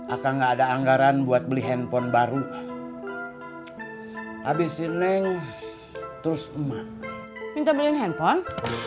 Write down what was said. akan enggak ada anggaran buat beli handphone baru habisin neng terus minta beliin handphone